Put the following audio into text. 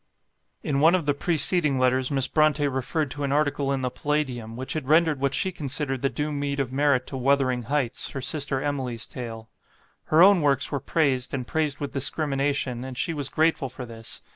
In one of the preceding letters, Miss Brontë referred to am article in the Palladium, which had rendered what she considered the due meed of merit to "Wuthering Heights", her sister Emily's tale. Her own works were praised, and praised with discrimination, and she was grateful for this.